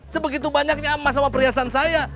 sebegitu banyaknya emas sama perhiasan saya